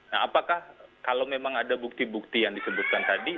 nah apakah kalau memang ada bukti bukti yang disebutkan tadi